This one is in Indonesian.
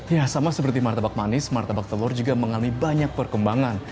ya sama seperti martabak manis martabak telur juga mengalami banyak perkembangan